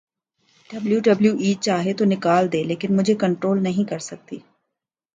W W E چاہے تو نکال دے لیکن مجھے کنٹرول نہیں کر سکتی